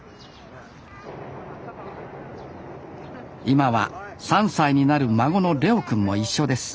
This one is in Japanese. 今は３歳になる孫の怜央くんも一緒です